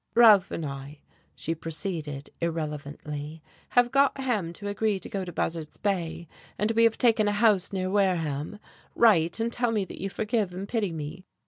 "Ralph and I," she proceeded irrelevantly, "have got Ham to agree to go to Buzzard's Bay, and we have taken a house near Wareham. Write and tell me that you forgive and pity me.